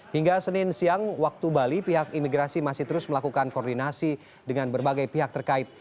hingga senin siang waktu bali pihak imigrasi masih terus melakukan koordinasi dengan berbagai pihak terkait